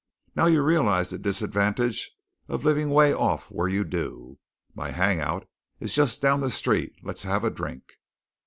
Now you realize the disadvantage of living way off where you do. My hang out is just down the street. Let's have a drink."